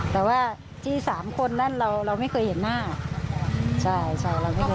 แต่ว่าที่สามคนนั้นเราเราไม่เคยเห็นหน้าใช่ใช่เราไม่รู้